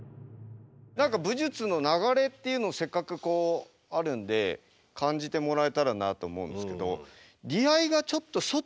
何か武術の流れっていうのをせっかくこうあるんで感じてもらえたらなと思うんですけど。